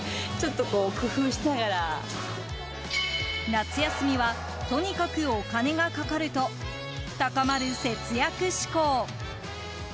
夏休みはとにかくお金がかかると高まる節約志向。